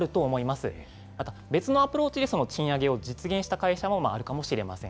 また別のアプローチで賃上げを実現した会社もあるかもしれません。